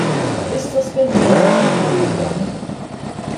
Issospendini, x'affarijiet dawn!